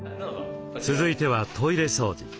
続いてはトイレ掃除。